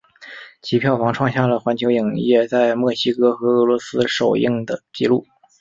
其票房创下了环球影业在墨西哥和俄罗斯首映的纪录。